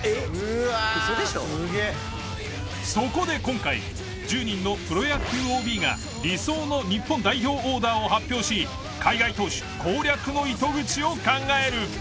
そこで今回１０人のプロ野球ＯＢが理想の日本代表オーダーを発表し海外投手攻略の糸口を考える。